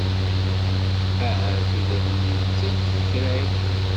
Ahat ula d nettat tra-k.